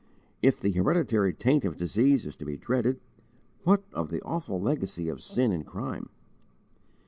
If the hereditary taint of disease is to be dreaded, what of the awful legacy of sin and crime!